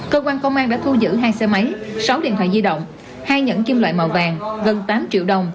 cơ quan công an đã thu giữ hai xe máy sáu điện thoại di động hai nhẫn kim loại màu vàng gần tám triệu đồng